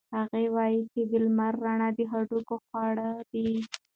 هغه وایي چې د لمر رڼا د هډوکو خواړه دي.